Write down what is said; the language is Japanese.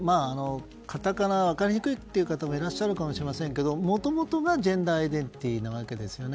カタカナは分かりにくいという方もいらっしゃるかもしれませんがもともとがジェンダーアイデンティティーなわけですよね。